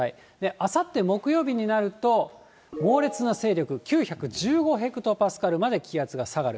あさって木曜日になると、猛烈な勢力、９１５ヘクトパスカルまで気圧が下がる。